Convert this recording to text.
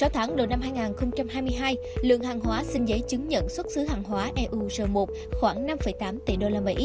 sáu tháng đầu năm hai nghìn hai mươi hai lượng hàng hóa xin giấy chứng nhận xuất xứ hàng hóa eu một khoảng năm tám tỷ usd